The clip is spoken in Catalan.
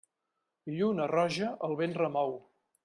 Lluna roja el vent remou.